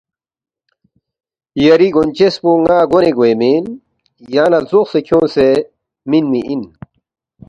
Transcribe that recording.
”یری گونچس پو ن٘ا گونے گوے مین، یانگ لہ لزوقسے کھیونگسے مِنمی اِن